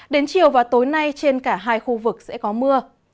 đến chiều và tối nay trên cả hai khu vực sẽ có mưa